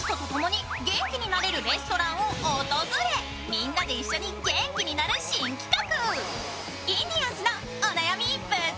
みんなで一緒に元気になる新企画。